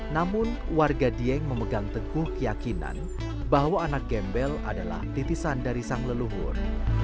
namun warga dieng memegang teguh keyakinan bahwa anak gembel adalah titisan dari sang leluhur